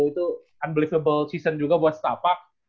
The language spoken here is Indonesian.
itu season yang luar biasa juga buat staff nya